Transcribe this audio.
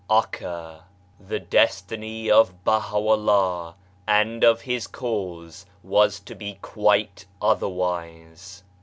( AKKA The destiny of BahaVUah and of his Cause was to be quite otherwise.